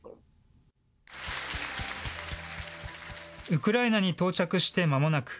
ウクライナに到着してまもなく、